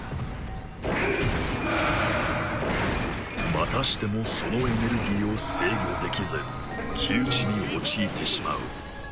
またしてもそのエネルギーを制御できず窮地に陥ってしまう。